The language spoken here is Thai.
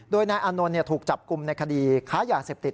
โดยนายอานนท์ถูกจับกลุ่มในคดีค้ายาเสพติด